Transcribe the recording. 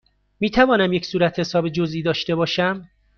می توانم یک صورتحساب جزئی داشته باشم؟